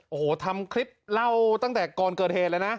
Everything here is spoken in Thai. โอ้โหทำคลิปเล่าตั้งแต่ก่อนเกิดเหตุเลยนะ